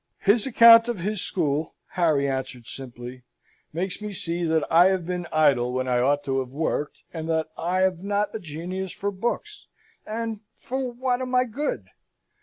"His account of his school," Harry answered simply, "makes me see that I have been idle when I ought to have worked, and that I have not a genius for books, and for what am I good?